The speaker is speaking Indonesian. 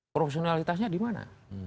profesionalitasnya di mana